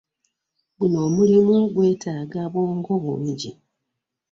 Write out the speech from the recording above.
Guno omulimu gwetaaga bwongo bungi.